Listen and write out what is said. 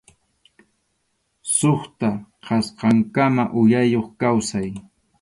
Suqta kasqankama uyayuq kawsay.